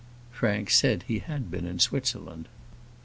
Frank said he had been in Switzerland.